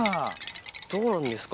どうなんですか？